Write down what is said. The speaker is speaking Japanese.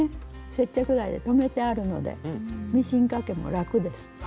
接着剤で留めてあるのでミシンかけも楽です。